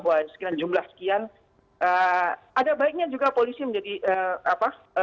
ada baiknya juga polisi menjadi apa